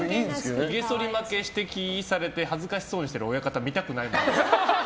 ひげそり負けして、気にして恥ずかしそうにしてる親方見たくないのよ。